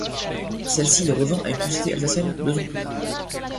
Celle-ci les revend à une société alsacienne deux ans plus tard.